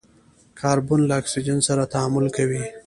کاربن له اکسیجن سره تعامل کوي.